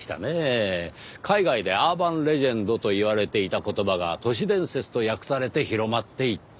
海外で「アーバンレジェンド」と言われていた言葉が「都市伝説」と訳されて広まっていった。